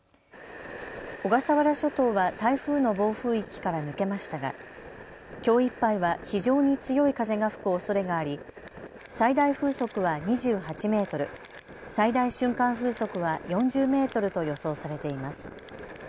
小笠原諸島は台風の暴風域から抜けましたがきょういっぱいは非常に強い風が吹くおそれがあり最大風速は２８メートル、最大瞬間風速は４０メートルと予想されています。